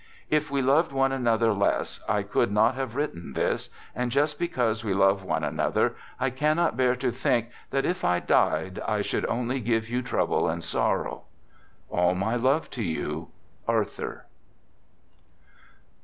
If we loved one another less I could not have written this, and, just because we love one 26 "THE GOOD SOLDIER" another, I cannot bear to think that, if I died, I should only give you trouble and sorrow All my love to you, Arthur.